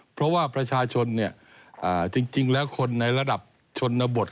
เพราะว่าประชาชนจริงแล้วคนในระดับชนบท